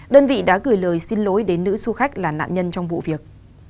đơn vị đã gửi lời xin lỗi đến nữ du khách là nạn nhân trong vụ việc